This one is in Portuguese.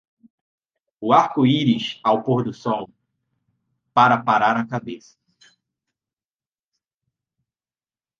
O arco-íris ao pôr do sol, para parar a cabeça.